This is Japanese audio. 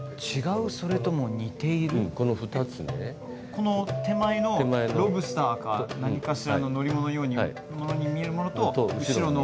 この手前のロブスターか何かしらの乗り物のように見えるものと後ろの。